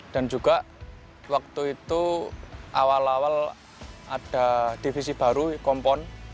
dan juga waktu itu awal awal ada divisi baru kompon